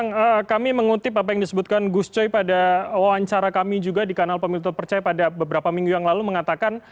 kang kami mengutip apa yang disebutkan gus coy pada wawancara kami juga di kanal pemilu terpercaya pada beberapa minggu yang lalu mengatakan